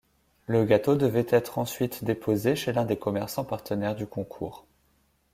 Le gâteau devait être ensuite déposé chez l'un des commerçants partenaires du concours.